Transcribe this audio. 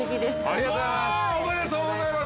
◆ありがとうございます。